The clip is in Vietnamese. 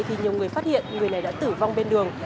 thì nhiều người phát hiện người này đã tử vong bên đường